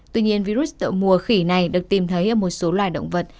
tuy nhiên virus mùa khỉ này được tìm thấy ở một số loài động vật